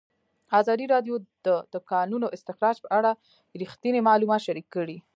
ازادي راډیو د د کانونو استخراج په اړه رښتیني معلومات شریک کړي.